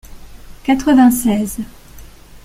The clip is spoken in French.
quatre-vingt-seize